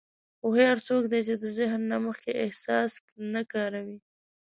هوښیار څوک دی چې د ذهن نه مخکې احساس نه کاروي.